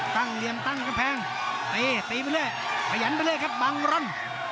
ตั้งเหลี่ยมตั้งกระแพงตีไปเลยประหยันไปเลยครับบังรัน